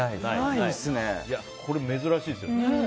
これ、珍しいですよね。